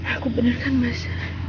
aku benarkan mas